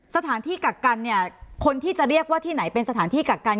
สถานที่กักกันเนี่ยคนที่จะเรียกว่าที่ไหนเป็นสถานที่กักกัน